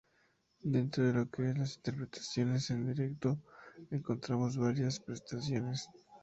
Dentro de lo que es las interpretaciones en directo encontramos varias presentaciones.